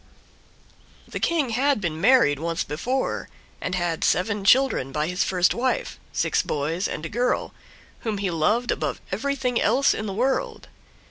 The King had been married once before, and had seven children by his first wife, six boys and a girl, whom he loved above everything else in the world.